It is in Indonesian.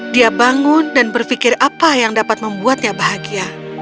dia bangun dan berpikir apa yang dapat membuatnya bahagia